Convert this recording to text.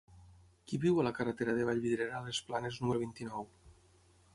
Qui viu a la carretera de Vallvidrera a les Planes número vint-i-nou?